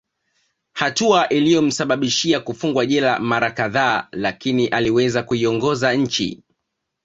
Hatua iliyomsababishia kufungwa jela mara kadhaa lakini aliweza kuiongoza nchi